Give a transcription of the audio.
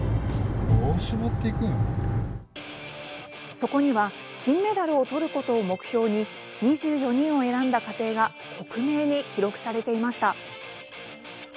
そこには、金メダルを取ることを目標に２４人を選んだ過程が克明に記録されていました。